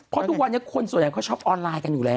เพราะทุกวันคนส่วนแต่ช็อปออนไลน์กันอยู่แล้ว